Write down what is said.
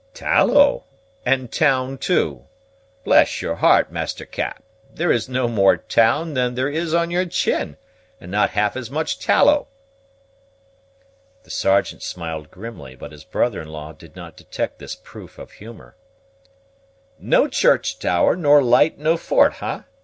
"Tallow! and town, too! Bless your heart, Master Cap! there is no more town than there is on your chin, and not half as much tallow!" The Sergeant smiled grimly, but his brother in law did not detect this proof of humor. "No church tower, nor light, nor fort, ha?